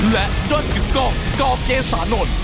และยอดกึกกล้องกเกษานนท์